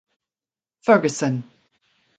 Fergusson.